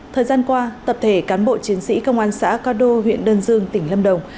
thời gian qua tập thể cán bộ chiến sĩ công an xã cao đô huyện đơn dương tỉnh lâm đồng